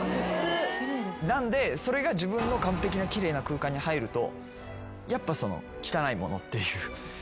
なんでそれが自分の完璧な奇麗な空間に入るとやっぱ汚いものっていう感覚があるんですよ。